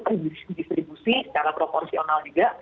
terdistribusi secara proporsional juga